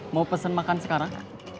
mau pesen makan sekarang